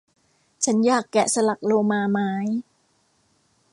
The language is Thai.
ฉันอยากแกะสลักโลมาไม้